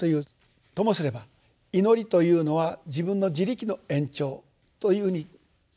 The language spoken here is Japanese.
ともすれば祈りというのは自分の自力の延長というふうに考えられる。